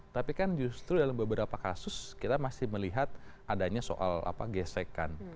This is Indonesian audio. tapi kan justru dalam beberapa kasus kita masih melihat adanya soal gesekan